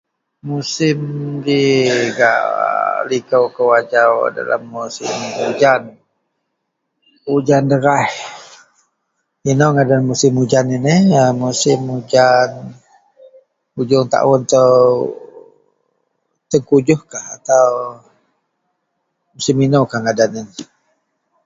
Musim ji gak likou kou ajau adalah musim ujan, ujan deraih. Inou ngadan musim ujan yen eyeh, musim ujan ujuong taun itou tengkujuhkah atau musim inoukah ngadan yen?